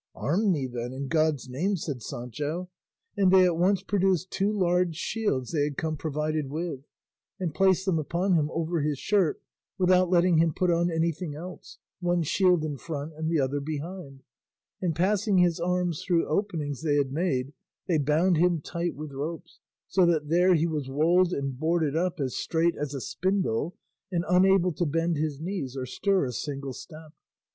"Arm me then, in God's name," said Sancho, and they at once produced two large shields they had come provided with, and placed them upon him over his shirt, without letting him put on anything else, one shield in front and the other behind, and passing his arms through openings they had made, they bound him tight with ropes, so that there he was walled and boarded up as straight as a spindle and unable to bend his knees or stir a single step.